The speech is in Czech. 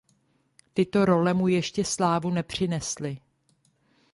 Tyto role mu ještě slávu nepřinesly.